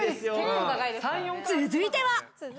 続いては。